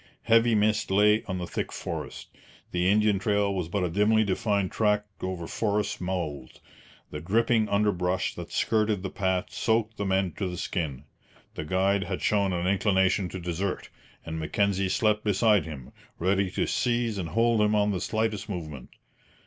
Heavy mist lay on the thick forest. The Indian trail was but a dimly defined track over forest mould. The dripping underbrush that skirted the path soaked the men to the skin. The guide had shown an inclination to desert, and Mackenzie slept beside him, ready to seize and hold him on the slightest movement.